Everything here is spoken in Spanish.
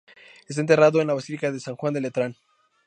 Está enterrado en la basílica de San Juan de Letrán.